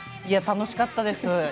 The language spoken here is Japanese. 楽しかったです。